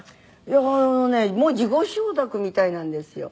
いやあのねもう事後承諾みたいなんですよ。